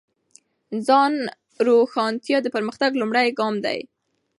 ځان روښانتیا د پرمختګ لومړی ګام دی.